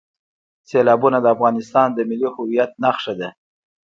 سیلابونه د افغانستان د ملي هویت نښه ده.